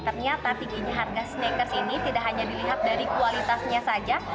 ternyata tingginya harga sneakers ini tidak hanya dilihat dari kualitasnya saja